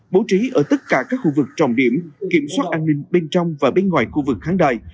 bố trí ở tất cả các khu vực trọng điểm kiểm soát an ninh bên trong và bên ngoài khu vực khán đài